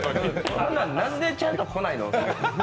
そんなんなんでちゃんと来ないの？